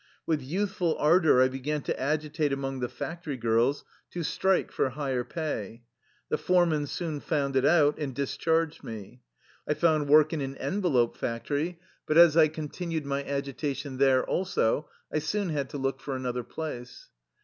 With youthful ardor I began to agitate among the factory girls to strike for higher pay. The foreman soon found it out, and discharged me. I found work in an envelope factory, but as I 50 THE LIFE STOEY OF A RUSSIAN EXILE continued my agitation tbere also, I soon bad to look for another place.